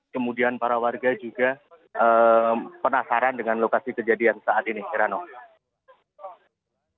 kemudian para warga juga penasaran dengan lokasi kejadian saat ini heranov